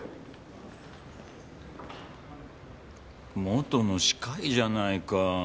元の歯科医じゃないか。